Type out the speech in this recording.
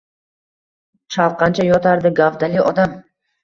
Chalqancha yotardi gavdali odam.